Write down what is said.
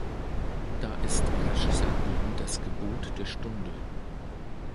Da ist rasches Handeln das Gebot der Stunde.